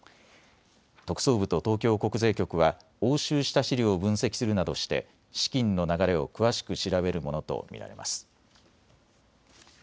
特捜部と東京国税局は押収した資料を分析するなどして資金の流れを詳しく調べるものと見られます。